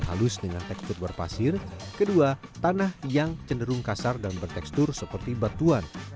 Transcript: halus dengan tekstur berpasir kedua tanah yang cenderung kasar dan bertekstur seperti batuan